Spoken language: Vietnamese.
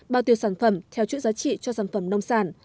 bao tiêu sản phẩm theo chuỗi giá trị cho sản phẩm nông sản